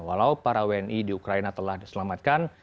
walau para wni di ukraina telah diselamatkan